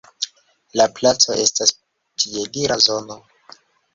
La placo estas piedira zono.